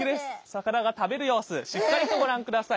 魚が食べる様子しっかりとご覧ください。